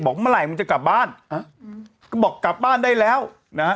เมื่อไหร่มึงจะกลับบ้านอ่าก็บอกกลับบ้านได้แล้วนะฮะ